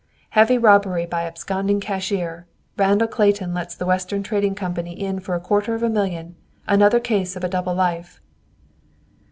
"Heavy Robbery by Absconding Cashier! Randall Clayton Lets the Western Trading Company in for a Quarter of a Million. Another Case of a Double Life!"